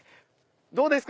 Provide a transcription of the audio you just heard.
どうですか？